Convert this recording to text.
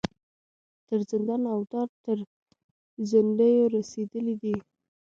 تر زندان او دار تر زندیو رسېدلي دي.